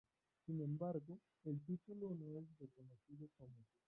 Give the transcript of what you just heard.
Sin embargo, el título no es reconocido como oficial.